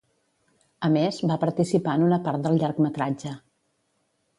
A més, va participar en una part del llargmetratge.